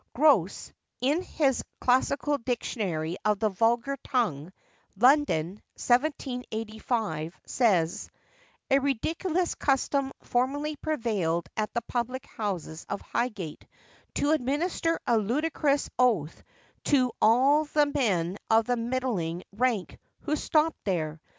Grose, in his Classical Dictionary of the Vulgar Tongue, London, 1785, says,— A ridiculous custom formerly prevailed at the public houses of Highgate, to administer a ludicrous oath to all the men of the middling rank who stopped there.